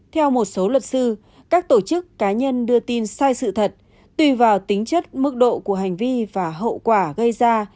theo một số luật sư các tổ chức cá nhân đưa tin sai sự thật tùy vào tính chất mức độ của hành vi và hậu quả gây ra